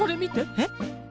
えっ？